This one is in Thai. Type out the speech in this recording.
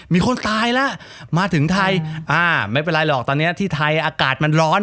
มีคนตายแล้วมาถึงไทยอ่าไม่เป็นไรหรอกตอนนี้ที่ไทยอากาศมันร้อน